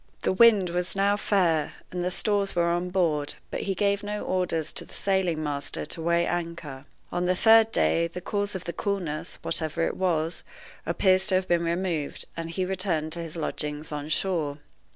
The wind was now fair, and the stores were on board, but he gave no orders to the sailing master to weigh anchor. On the third day, the cause of the coolness, whatever it was, appears to have been removed, and he returned to his lodgings on shore.